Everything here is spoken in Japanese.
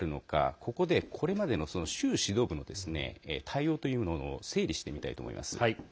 ここで、これまでの習指導部の対応というものを整理してみたいと思います。